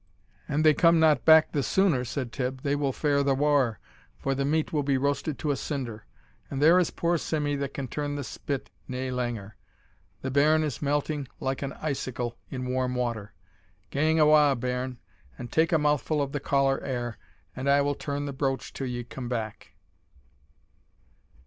"An they come not back the sooner," said Tibb, "they will fare the waur, for the meat will be roasted to a cinder and there is poor Simmie that can turn the spit nae langer: the bairn is melting like an icicle in warm water Gang awa, bairn, and take a mouthful of the caller air, and I will turn the broach till ye come back."